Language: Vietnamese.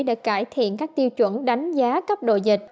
để cải thiện các tiêu chuẩn đánh giá cấp độ dịch